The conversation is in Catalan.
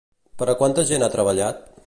Per a quanta gent ha treballat?